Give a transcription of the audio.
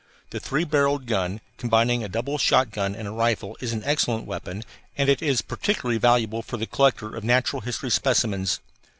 The three barrelled gun, combining a double shotgun and a rifle, is an excellent weapon, and it is particularly valuable for the collector of natural history specimens.